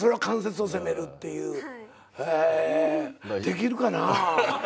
できるかなぁ？